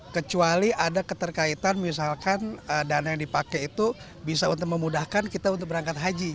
kecuali ada keterkaitan misalkan dana yang dipakai itu bisa untuk memudahkan kita untuk berangkat haji